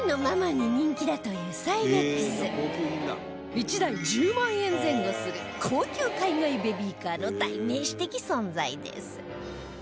１台１０万円前後する高級海外ベビーカーの代名詞的存在です